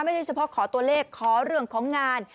ไม่ใช่เฉพาะขอตัวเลขขอเรื่องของงาน